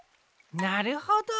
なるほど。